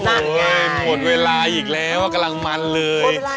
โอ้โหหมดเวลาอีกแล้วกำลังมันเลย